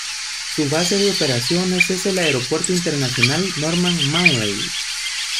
Su base de operaciones es el Aeropuerto Internacional Norman Manley.